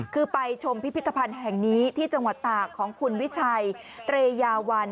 คือไปชมพิพิธภัณฑ์แห่งนี้ที่จังหวัดตากของคุณวิชัยเตรยาวัน